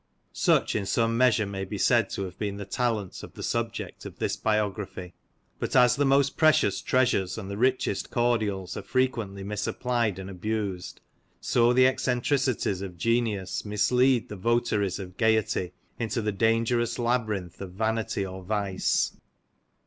Such in some measure may be said to have been the talents of the subject of this biography ; but as the most precious treasures and the richest cordials are frequently misapplied and abused, so the eccentricities of genius mislead the votaries of gaiety into the dangerous labyrinth of vanity or vice.